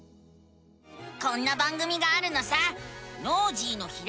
こんな番組があるのさ！